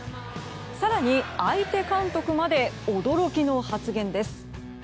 更に相手監督まで驚きの発言です。